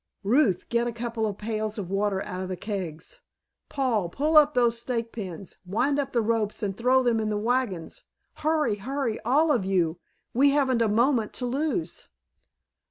Ruth, get a couple of pails of water out of the kegs. Paul, pull up those stake pins, wind up the ropes and throw them in the wagons! Hurry, hurry, all of you, we haven't a moment to lose!"